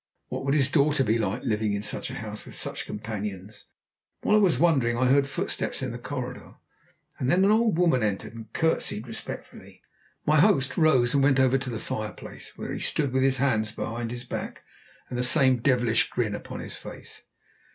What would his daughter be like, living in such a house, with such companions? While I was wondering, I heard footsteps in the corridor, and then an old woman entered and curtsied respectfully. My host rose and went over to the fireplace, where he stood with his hands behind his back and the same devilish grin upon his face.